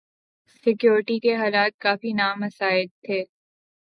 security کے حالات کافی نامساعد تھے